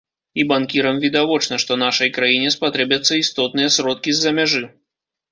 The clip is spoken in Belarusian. І банкірам відавочна, што нашай краіне спатрэбяцца істотныя сродкі з-за мяжы.